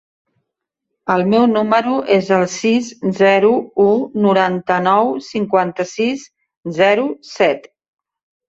El meu número es el sis, zero, u, noranta-nou, cinquanta-sis, zero, set.